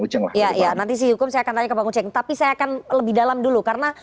uceng ya nanti sih hukum saya akan lagi ke panggung tapi saya akan lebih dalam dulu karena